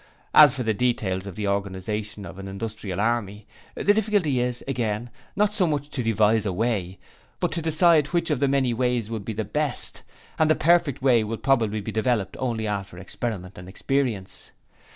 As for the details of the organization of the Industrial Army, the difficulty is, again, not so much to devise a way, but to decide which of many ways would be the best, and the perfect way will probably be developed only after experiment and experience.